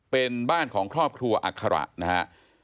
เป็นบ้านของครอบครัวอัคระนะครับ